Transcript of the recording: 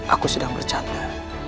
aku tidak bercanda